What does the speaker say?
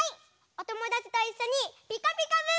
おともだちといっしょに「ピカピカブ！」